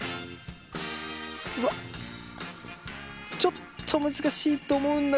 うわっちょっと難しいと思うんだろうけど。